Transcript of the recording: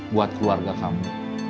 buat keluarga kamu